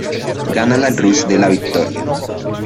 Gana la Cruz de la Victoria.